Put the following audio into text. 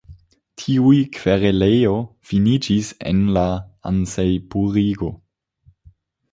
Tiuj kvereloj finiĝis en la Ansei-purigo.